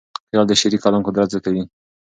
خیال د شعري کلام قدرت زیاتوي.